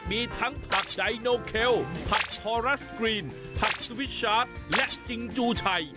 มีทั้งผักไดโนเคลผักคอรัสกรีนผักสวิชาร์จและจิงจูชัย